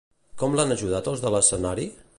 Com l'han ajudat els de l'escenari?